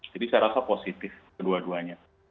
jadi saya rasa positif kedua duanya